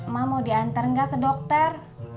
ma mau diantar gak ke dokter